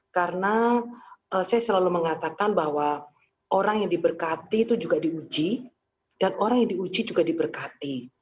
karena saya selalu mengatakan bahwa orang yang diberkati itu juga diuji dan orang yang diuji juga diberkati